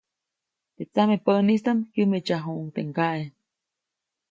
Teʼ tsamepäʼnistaʼm kyämeʼtsajuʼuŋ teʼ ŋgaʼe.